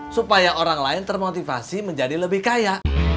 supaya orang lain termotivasi menjadi lebih kaya